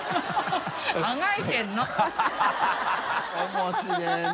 面白いな。